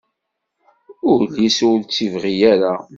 Ul-is ur tt-ibɣi ara.